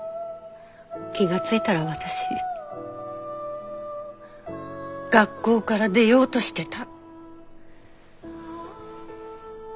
気が付いたら私学校から出ようとしてた。